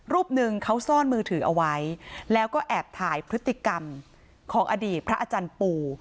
รูปหนึ่งเขาซ่อนมือถือเอาไว้แล้วก็แอบถ่ายพฤติกรรมของอดีตพระอาจารย์ปู